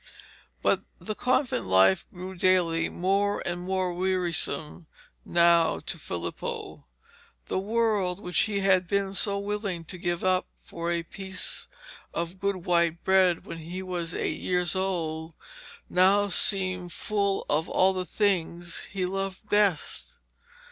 But the convent life grew daily more and more wearisome now to Filippo. The world, which he had been so willing to give up for a piece of good white bread when he was eight years old, now seemed full of all the things he loved best.